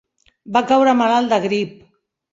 Va caure malalt de grip.